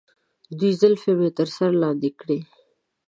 دوی زلفې مې تر سر لاندې کړي.